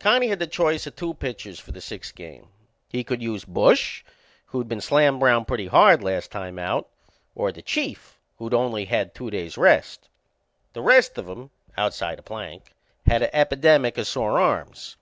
Connie had the choice o' two pitchers for the sixth game. He could use Bush, who'd been slammed round pretty hard last time out, or the Chief, who'd only had two days' rest. The rest of 'em outside o' Plank had a epidemic o' sore arms.